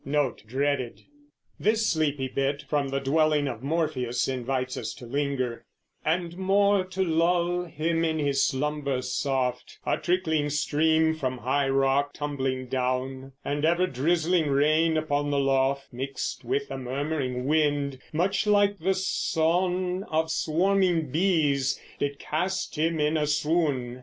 This sleepy bit, from the dwelling of Morpheus, invites us to linger: And, more to lulle him in his slumber soft, A trickling streame from high rock tumbling downe, And ever drizling raine upon the loft, Mixt with a murmuring winde, much like the sowne Of swarming bees, did cast him in a swowne.